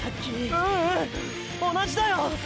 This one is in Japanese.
ううん同じだよ！！